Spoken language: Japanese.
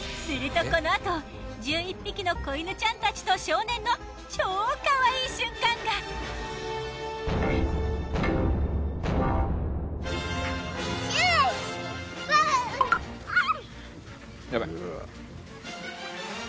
するとこのあと１１匹の子犬ちゃんたちと少年の１１匹がモッフモフ！